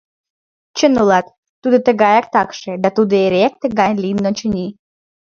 — Чын улат, тудо тыгаяк такше... да тудо эреак тыгай лийын, очыни.